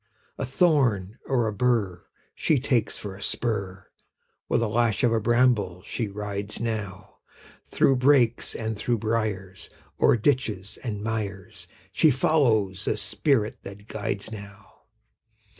A thorn or a bur She takes for a spur; With a lash of a bramble she rides now, Through brakes and through briars, O'er ditches and mires, She follows the spirit that guides now.